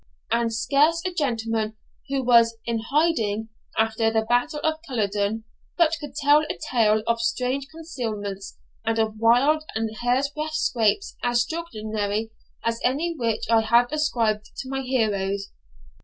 And scarce a gentleman who was 'in hiding' after the battle of Culloden but could tell a tale of strange concealments and of wild and hair'sbreadth'scapes as extraordinary as any which I have ascribed to my heroes.